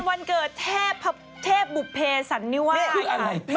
เป็นวันเกิดเทพบุภิสันิวาคค่ะ